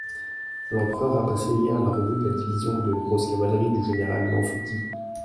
L'empereur a passé hier la revue de la division de grosse cavalerie du général Nansouty.